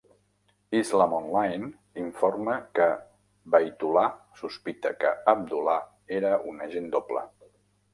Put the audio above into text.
"Islam Online" informa que Baitullah sospita que Abdullah era un agent doble.